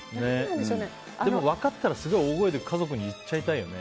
でも、分かったら大声で家族に言っちゃいたいよね。